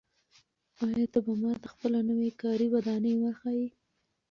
آیا ته به ماته خپله نوې کاري ودانۍ وښایې؟